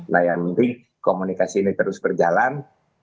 nah yang penting komunikasi ini terus berjalan